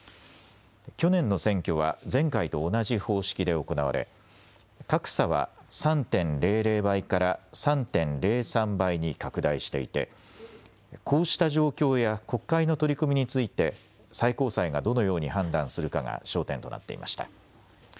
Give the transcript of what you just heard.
去年の選挙は前回と同じ方式で行われ格差は３．００倍から３．０３倍に拡大していてこうした状況や国会の取り組みについて最高裁がどのように判断するかが焦点となっていました。